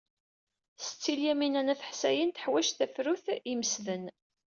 Setti Lyamina n At Ḥsayen teḥwaj tafrut ay imesden.